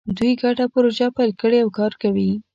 دوی ګډه پروژه پیل کړې او کار کوي